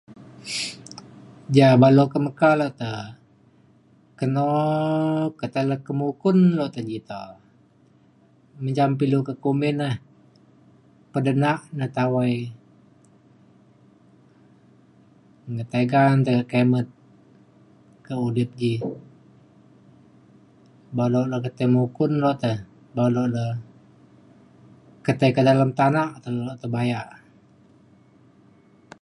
ja baluk ke meka lukte keno ketai le ke mukun lok te ji to mencam pe ilu ke kumin e pedenak ne tawai ngetega tega kemet ke udip ji baluk le ketai mukun lukte baluk le ketai ke dalem tanak teluk tai ngebayak.